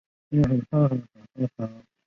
油松的木材可用于一般建筑。